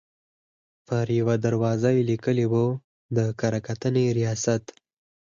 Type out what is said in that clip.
پر یوه دروازه یې لیکلي وو: د کره کتنې برخې ریاست.